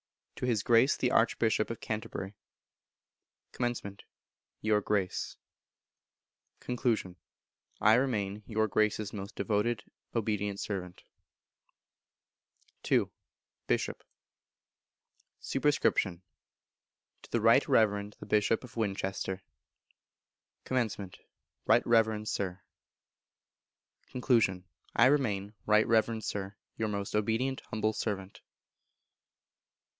To His Grace the Archbishop of Canterbury. Comm. Your Grace. Con. I remain, Your Grace's most devoted obedient servant. ii. Bishop. Sup. To the Right Reverend the Bishop of Winchester. Comm. Right Reverend Sir. Con. I remain, Right Reverend Sir, Your most obedient humble servant.